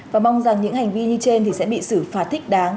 và mong rằng những hành vi như trên thì sẽ bị xử phạt thích đáng